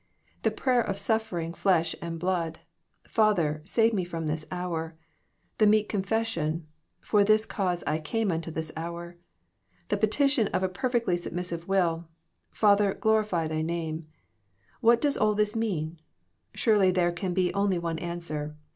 — the prayer of suffering flesh and blood, " Father, save Me from this hour," — ^the meek confession, " For this cause came I unto this hour," — the petition of a perfectly submissive will, "Father, glorify Thy name," — what does all this mean? Surely there can be only one answer.